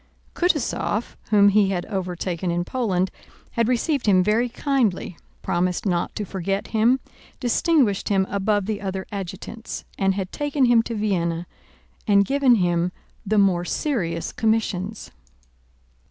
Kutúzov, whom he had overtaken in Poland, had received him very kindly, promised not to forget him, distinguished him above the other adjutants, and had taken him to Vienna and given him the more serious commissions.